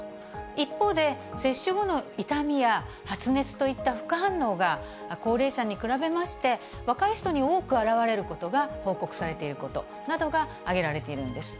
一方で接種後の痛みや発熱といった副反応が、高齢者に比べまして、若い人に多く現れることが報告されていることなどが挙げられているんです。